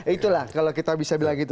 itulah kalau kita bisa bilang gitu